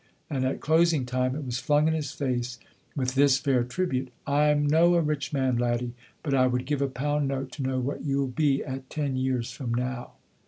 and at closing time it was flung in his face with this fair tribute: "I'm no a rich man, laddie, but I would give a pound note to know what you'll be at ten years from now."